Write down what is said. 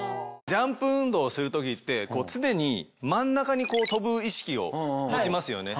ジャンプ運動をする時って常に真ん中に跳ぶ意識を持ちますよね。